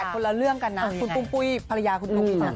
แต่คนละเรื่องกันนะคุณปุ้มปุ้ยภรรยาคุณปุ้มปุ้ม